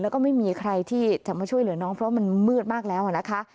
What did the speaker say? แล้วก็ไม่มีใครที่จะมาช่วยเหลือน้องเพราะมันมืดมากแล้วนะคะ